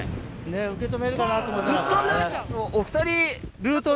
受け止めるかなと思ったら。